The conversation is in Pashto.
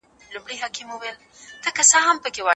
باطني ښکلا تلپاتې ده.